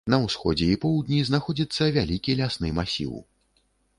На ўсходзе і поўдні знаходзіцца вялікі лясны масіў.